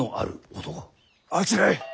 あちらへ。